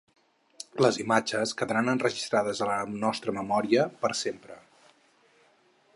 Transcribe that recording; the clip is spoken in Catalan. Les imatges quedaran enregistrades a la nostra memòria per sempre.